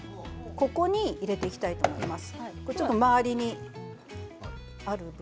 ここに入れていきたいと思います。